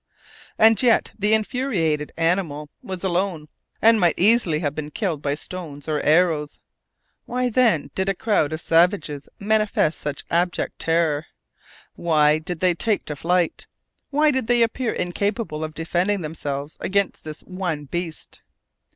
And yet the infuriated animal was alone, and might easily have been killed by stones or arrows. Why then did a crowd of savages manifest such abject terror? Why did they take to flight? Why did they appear incapable of defending themselves against this one beast?